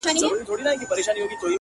• ته لږه ایسته سه چي ما وویني؛